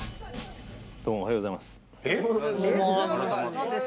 どうもおはようございます。